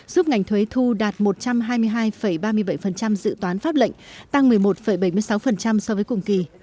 giúp ngành thuế thu đạt một trăm hai mươi hai ba mươi bảy dự toán pháp lệnh tăng một mươi một bảy mươi sáu so với cùng kỳ